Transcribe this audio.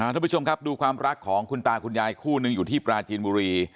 ทุกผู้ชมครับดูความรักของคุณตาคุณยายคู่หนึ่งอยู่ที่ปราจีนบุรี